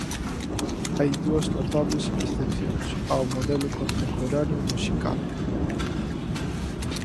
Hai dúas notables excepcións ao modelo contemporáneo musical.